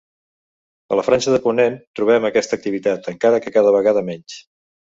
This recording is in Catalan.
A la Franja de Ponent trobem aquesta activitat, encara que cada vegada menys.